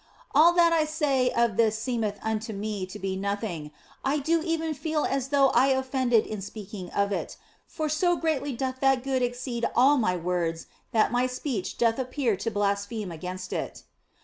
All that I say of this seemeth unto me to be nothing, I do even feel as though I offended in speaking of it, for so greatly doth that Good exceed all my words that my speech doth appear to blaspheme against it.